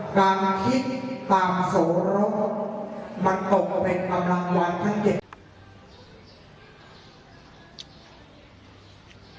การคิดตามโสรกมันตกเป็นคำลังวันทั้งเจ็บ